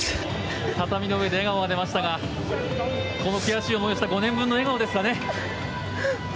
畳の上で笑顔が出ましたがこの悔しい思いをした５年分の笑顔ですかね。